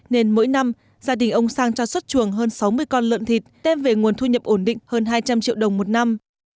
nên mỗi năm gia đình ông sang cho xuất chuồng hơn sáu mươi con lợn thịt đem về nguồn thu nhập ổn định hơn hai trăm linh triệu đồng một năm